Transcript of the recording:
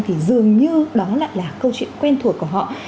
thì dường như đó lại là câu chuyện quen thuộc của họ